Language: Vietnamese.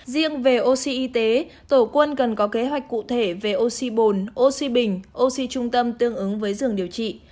riêng về oxy y tế tổ quân cần có kế hoạch cụ thể về oxy bồn oxy bình oxy trung tâm tương ứng với giường điều trị